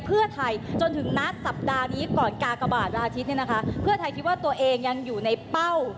เพื่อไทยคิดว่าตัวเองยังอยู่ในเป้า